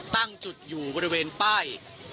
ตั้งจุดอยู่บริเวณป้าย